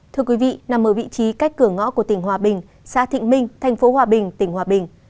thưa quý vị nằm ở vị trí cách cửa ngõ của tỉnh hòa bình xã thịnh minh thành phố hòa bình tỉnh hòa bình